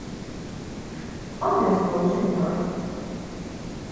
Onde estou, señor?